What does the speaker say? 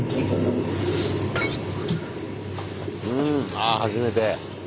あ初めて。